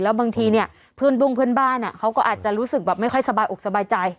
บางทีเนี่ยเพื่อนบุ้งเพื่อนบ้านเขาก็อาจจะรู้สึกแบบไม่ค่อยสบายอกสบายใจ